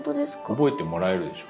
覚えてもらえるでしょ。